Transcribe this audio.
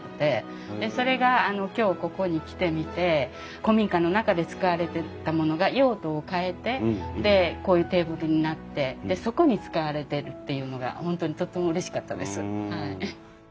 でそれがあの今日ここに来てみて古民家の中で使われてたものが用途を変えてでこういうテーブルになってでそこに使われてるっていうのが本当にとってもうれしかったです。